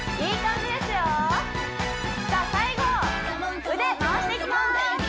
じゃあ最後腕回していきます